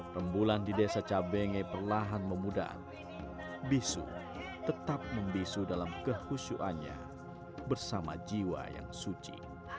rembulan di desa cabenge perlahan memudah bisu tetap membisu dalam kehusuannya bersama jiwa yang suci